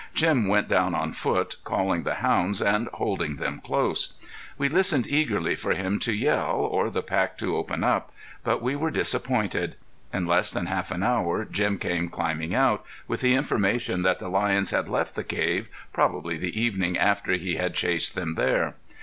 Jim went down on foot, calling the hounds and holding them close. We listened eagerly for him to yell or the pack to open up, but we were disappointed. In less than half an hour Jim came climbing out, with the information that the lions had left the cave, probably the evening after he had chased them there.